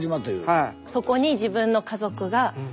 はい。